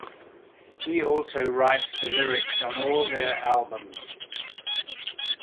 He also writes the lyrics on all their albums.